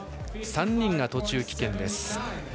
３人が途中棄権です。